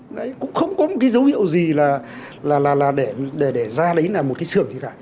đấy cũng không có một cái dấu hiệu gì là để ra đấy là một cái xưởng gì cả